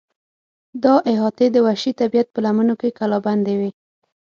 دا احاطې د وحشي طبیعت په لمنو کې کلابندې وې.